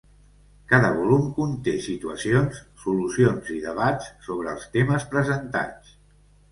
Cada volum conté situacions, solucions i debats sobre els temes presentats.